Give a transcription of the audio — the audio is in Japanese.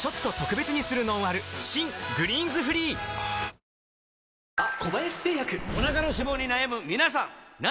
新「グリーンズフリー」よしこい！